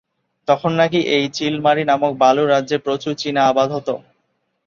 তখন নাকি এই চিলমারী নামক বালু রাজ্যে প্রচুর চিনা আবাদ হতো।